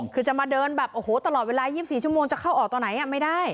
คือจะมาเดินแบบโอ้โหตลอดเวลา๒๔ชั่วโมงจะเข้าออกตอนไหนไม่ได้